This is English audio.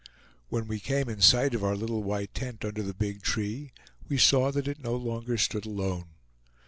When we came in sight of our little white tent under the big tree, we saw that it no longer stood alone.